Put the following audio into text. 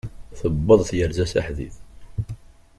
Tewweḍ tyerza s aḥdid.